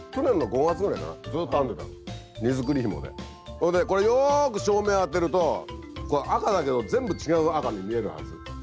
ほいでこれよく照明当てるとこれ赤だけど全部違う赤に見えるはず。